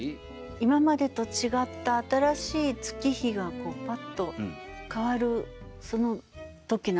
今までと違った新しい月日がパッとかわるその時なんだろう。